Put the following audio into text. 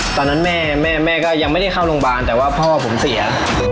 ตอนนั้นแม่แม่ก็ยังไม่ได้เข้าโรงพยาบาลแต่ว่าพ่อผมเสีย